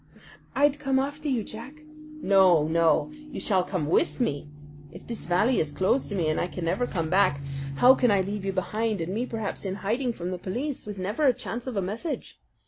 "I'd come after you, Jack." "No, no, you shall come WITH me. If this valley is closed to me and I can never come back, how can I leave you behind, and me perhaps in hiding from the police with never a chance of a message?